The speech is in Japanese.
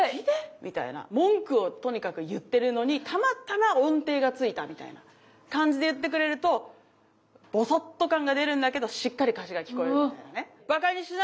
みたいな文句をとにかく言ってるのにたまたま音程が付いたみたいな感じで言ってくれるとボソッと感が出るんだけどしっかり歌詞が聴こえるみたいなね。